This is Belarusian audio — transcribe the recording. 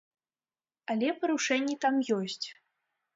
Але парушэнні там ёсць.